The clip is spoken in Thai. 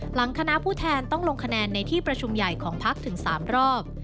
หลังคณะผู้แทนต้องลงคะแนนในที่ประชุมใหญ่ของพักถึง๓รอบ